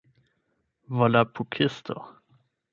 volapukisto